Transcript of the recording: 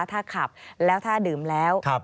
ถ้าขับแล้วถ้าดื่มแล้ว